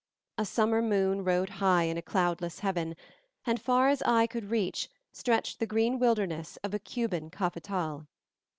A summer moon rode high in a cloudless heaven, and far as eye could reach stretched the green wilderness of a Cuban cafetal.